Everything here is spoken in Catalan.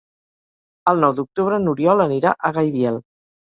El nou d'octubre n'Oriol anirà a Gaibiel.